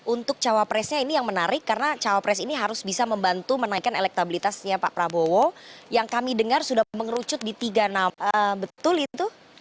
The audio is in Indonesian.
untuk cawapresnya ini yang menarik karena cawapres ini harus bisa membantu menaikkan elektabilitasnya pak prabowo yang kami dengar sudah mengerucut di tiga nama betul itu